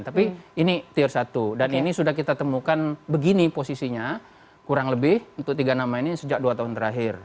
tapi ini tier satu dan ini sudah kita temukan begini posisinya kurang lebih untuk tiga nama ini sejak dua tahun terakhir